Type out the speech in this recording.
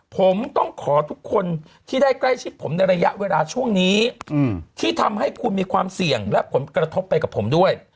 ผมต้องขอทุกคนที่ได้ใกล้ชิดผมในระยะเวลาช่วงนี้ที่ทำให้คุณมีความเสี่ยงและผลกระทบไปกับผมด้วย